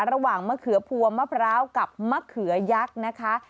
มะเขือพัวมะพร้าวกับมะเขือยักษ์นะคะ